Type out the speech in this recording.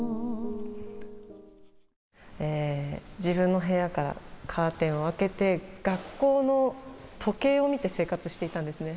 自分の部屋からカーテンを開けて学校の時計を見て生活していたんですね。